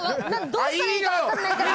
どうしたらいいか分かんないから。